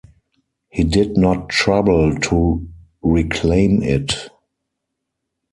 He did not trouble to reclaim it.